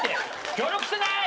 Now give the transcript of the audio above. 協力してない！